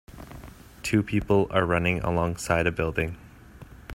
Two people are running along side a building.